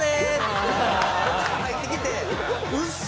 入ってきて「ウソ！？」